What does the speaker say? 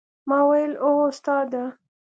ما وويل هو استاده!